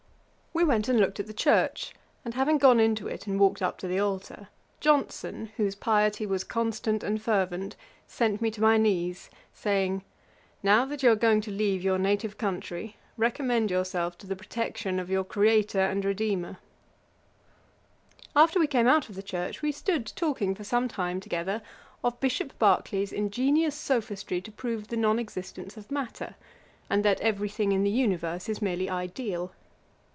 We went and looked at the church, and having gone into it and walked up to the altar, Johnson, whose piety was constant and fervent, sent me to my knees, saying, 'Now that you are going to leave your native country, recommend yourself to the protection of your CREATOR and REDEEMER.' [Page 472: Boswell embarks for Holland. A.D. 1763.] After we came out of the church, we stood talking for some time together of Bishop Berkeley's ingenious sophistry to prove the non existence of matter, and that every thing in the universe is merely ideal.